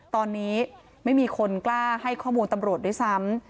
ตอนนี้ไม่มีคนกล้าให้ข้อมูลตำรวจด้วยซ้ำ